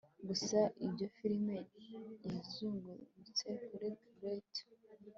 gusa iyo firime, yazungurutse kuri grate